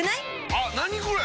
あっ何これ！